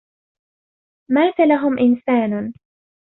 مَاتَ لَهُمْ إنْسَانٌ